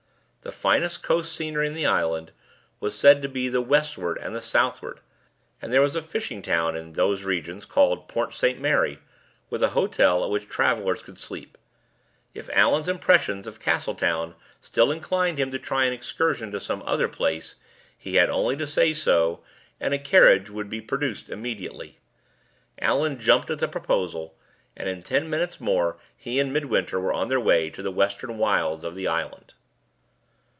The finest coast scenery in the island was said to be to the westward and the southward, and there was a fishing town in those regions called Port St. Mary, with a hotel at which travelers could sleep. If Allan's impressions of Castletown still inclined him to try an excursion to some other place, he had only to say so, and a carriage would be produced immediately. Allan jumped at the proposal, and in ten minutes more he and Midwinter were on their way to the western wilds of the island.